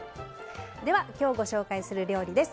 今日、ご紹介する料理です。